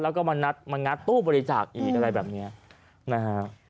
แล้วก็มางัดตู้บริจาคอีกอะไรแบบนี้นะฮะ